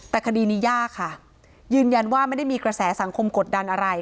แต่คดีนี้ยากค่ะยืนยันว่าไม่ได้มีกระแสสังคมกดดันอะไร